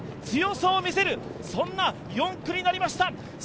強さを見せるそんな４区になりました。